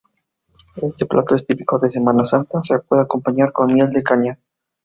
Este plato es típico de Semana Santa, se puede acompañar con miel de caña.